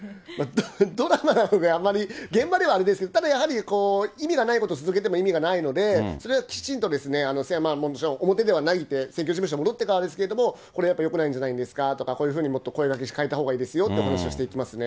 ドラマとかあまり、現場ではあれですけど、ただやはり、意味がないこと続けても意味がないので、それはきちんと表ではなくて、選挙事務所戻ってからですけれども、これやっぱり、よくないんじゃないですかとか、こういうふうにもっと声がけ変えたほうがいいですよとか、お話をしていきますね。